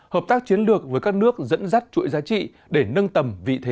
hợp tác chiến lược với các nước dẫn dắt chuỗi giá trị để nâng tầm vị thế